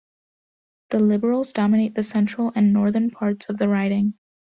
The Liberals dominate the central and northern parts of the riding.